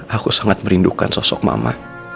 aku sangat merindukan sosok mama